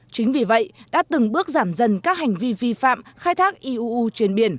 chính vì vậy đã từng bước giảm dần các hành vi vi phạm khai thác iuu trên biển